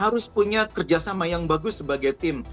harus punya kerja sama yang bagus sebagai tim